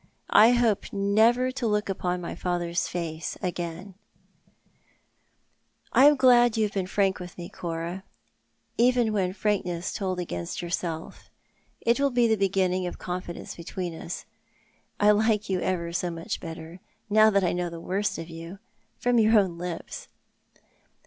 I hope never to look upon my father's face again." *'A Passionless Peace.'* 323 " T am glad you have been frank with mo, Cora, even when frankness tokl against yourself. It will be the beginning of confidence between us. I like you ever so much better— now that I know the worst of you— from your own lips."